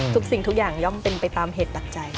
สิ่งทุกอย่างย่อมเป็นไปตามเหตุปัจจัย